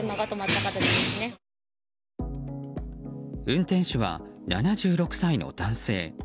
運転手は、７６歳の男性。